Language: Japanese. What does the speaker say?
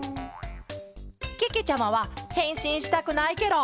けけちゃまはへんしんしたくないケロ。